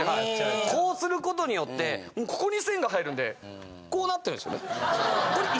こうすることによってここに線が入るんでこうなってるんですよね。